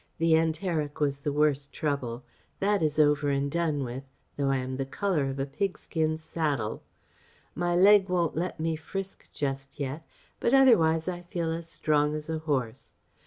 The enteric was the worse trouble. That is over and done with, though I am the colour of a pig skin saddle. My leg won't let me frisk just yet, but otherwise I feel as strong as a horse.